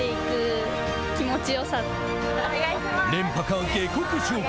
連覇か下克上か。